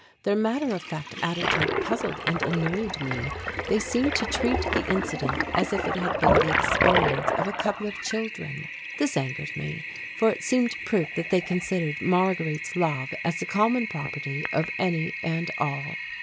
Their matter of fact attitude puzzled and annoyed me; they seemed to treat the incident as if it had been the experience of a couple of children. This angered me, for it seemed proof that they considered Marguerite's love as the common property of any and all.